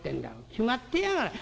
決まってやがらあ。